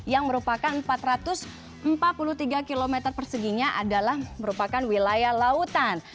yang merupakan empat ratus empat puluh tiga km perseginya adalah merupakan wilayah lautan